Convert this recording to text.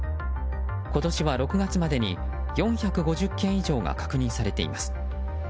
今年は６月までに４５０件以上が確認されています。